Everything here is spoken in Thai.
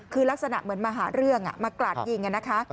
คือลักษณะเหมือนมาหาเรื่องมากราดยิงนะคะ